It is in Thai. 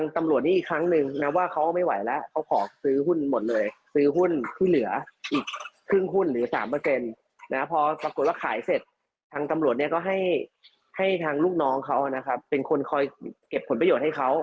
ทั้งจำลวจก็ให้ให้ทางลูกน้องเขานะครับเป็นคนคอยเก็บผลประโยชน์ให้เขา